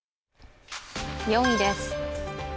４位です。